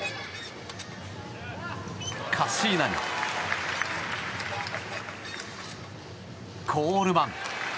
カッシーナにコールマン。